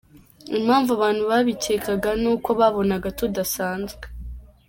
Impamvu abantu babikekaga ni uko babonaga tudasanzwe”.